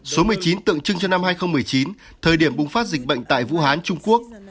số một mươi chín tượng trưng cho năm hai nghìn một mươi chín thời điểm bùng phát dịch bệnh tại vũ hán trung quốc